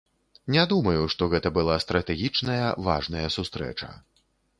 Не думаю, што гэта была стратэгічная важная сустрэча.